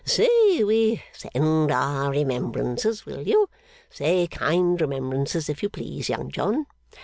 'Say we sent our remembrances, will you? Say kind remembrances, if you please, Young John.